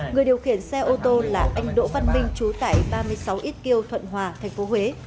người điều khiển xe ô tô là anh đỗ văn minh chú tại ba mươi sáu xk thuận hòa thành phố huế